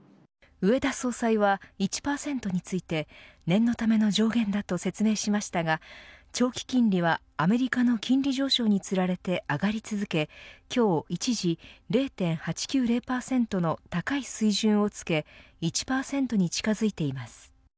植田総裁は１％について念のための上限だと説明しましたが長期金利はアメリカの金利上昇につられて上がり続け今日、一時０．８９０％の高い水準をつけ１％に近づいています。